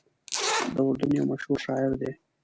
د اردن یو مشهور شاعر دی.